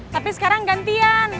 tapi sekarang gantian